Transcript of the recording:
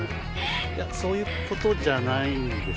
いやそういうことじゃないんです。